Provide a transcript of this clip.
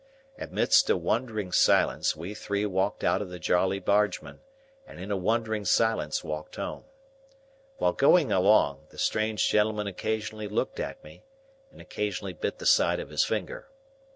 Amidst a wondering silence, we three walked out of the Jolly Bargemen, and in a wondering silence walked home. While going along, the strange gentleman occasionally looked at me, and occasionally bit the side of his finger.